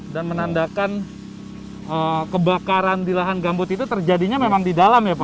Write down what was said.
dan menandakan kebakaran di lahan gambut itu terjadinya memang di dalam ya pak